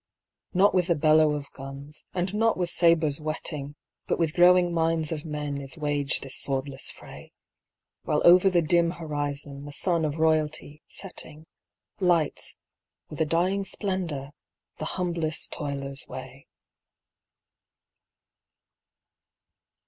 Not with the bellow of guns and not with sabres whetting, But with growing minds of men is waged this swordless fray; While over the dim horizon the sun of royalty, setting, Lights, with a dying splendour, the humblest toiler's way.